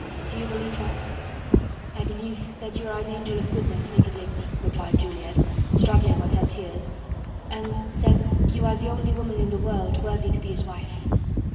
Do you believe that?" "I believe that you are an angel of goodness, Lady Blakeney," replied Juliette, struggling with her tears, "and that you are the only woman in the world worthy to be his wife."